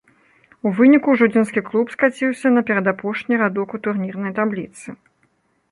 У выніку жодзінскі клуб скаціўся на перадапошні радок у турнірнай табліцы.